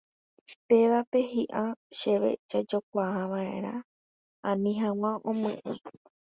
Pévape hi'ã chéve jajokuava'erã ani hag̃ua omýi.